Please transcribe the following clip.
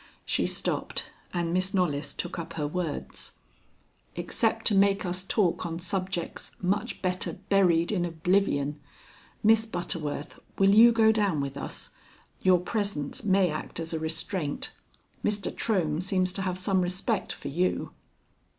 She stopped, and Miss Knollys took up her words: "Except to make us talk on subjects much better buried in oblivion. Miss Butterworth, will you go down with us? Your presence may act as a restraint. Mr. Trohm seems to have some respect for you."